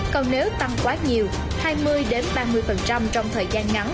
còn nếu tăng quá nhiều hai mươi ba mươi trong thời gian ngắn